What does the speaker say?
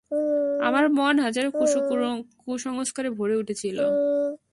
আমার মন হাজারো কুসংস্কারে ভরে উঠেছিল।